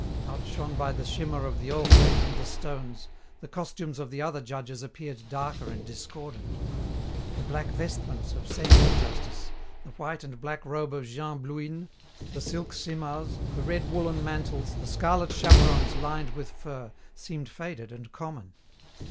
Outshone by the shimmer of the orphreys and the stones, the costumes of the other judges appeared darker and discordant. The black vestments of secular justice, the white and black robe of Jean Blouyn, the silk symars, the red woollen mantles, the scarlet chaperons lined with fur, seemed faded and common.